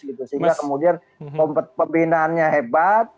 sehingga kemudian pembinaannya hebat